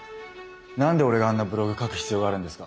何で俺があんなブログ書く必要があるんですか？